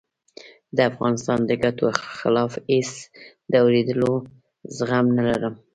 د افغانستان د ګټو خلاف هېڅ د آورېدلو زغم نه لرم